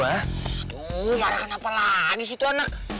aduh marah kan apa lagi sih tuanak